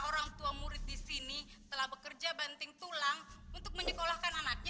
orang tua murid di sini telah bekerja banting tulang untuk menyekolahkan anaknya